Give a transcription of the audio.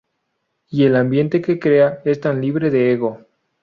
Y el ambiente que crean es tan libre de ego.